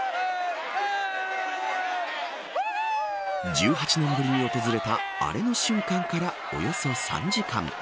１８年ぶりに訪れたアレの瞬間からおよそ３時間。